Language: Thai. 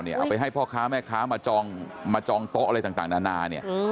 เอาไปให้พ่อค้าแม่ค้ามาจองโต๊ะอะไรต่างนานาเนี่ย